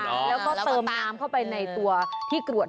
แล้วก็เติมน้ำเข้าไปในตัวที่กรวด